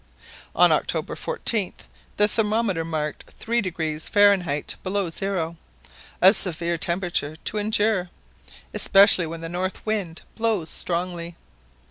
On October 14th the thermometer marked 3° Fahrenheit below zero, a severe temperature to endure, especially when the north wind blows strongly.